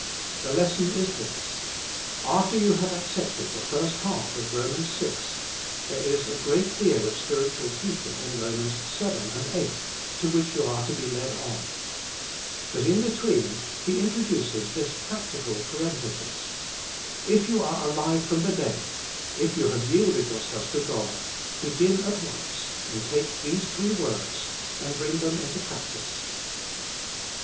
The lesson is this: After you YIKI.D YOURSKI.VKS UNTO GOD. 205 have accepted the first half of Rom. 6 there is a great deal of spiritual teaching in Rom. 7 and 8, to which you are to be led on. But in between he in troduces this practical parenthesis: If you are alive from the dead; if you have yielded yourselves to God beg in at once and take these three words and bring them into practice.